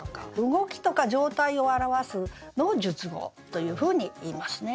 動きとか状態を表すのを述語というふうにいいますね。